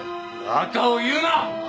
バカを言うな！